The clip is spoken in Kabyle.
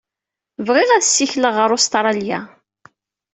Bɣiɣ ad ssikleɣ ɣer Ustṛalya.